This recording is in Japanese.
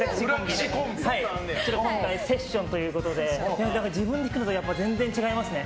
セッションということで自分だけで弾くのと全然違いますね。